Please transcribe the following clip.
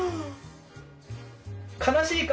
悲しい顔。